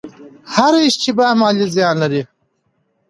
هره اشتباه مالي زیان لري.